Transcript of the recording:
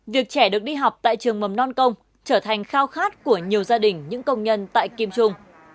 việc trẻ được đi học tại trường mầm non công trở thành khao khát của nhiều gia đình những công nhân tại kim trung